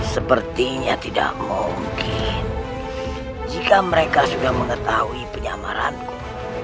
sepertinya tidak mungkin jika mereka sudah mengetahui penyamaranku